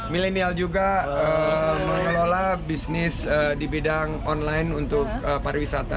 milenial juga mengelola bisnis di bidang online untuk pariwisata